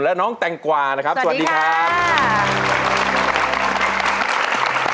และน้องแต่งกว่านะครับสวัสดีครับสวัสดีครับ